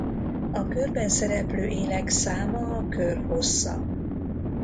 A körben szereplő élek száma a kör hossza.